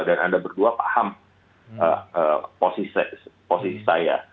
dan anda berdua paham posisi saya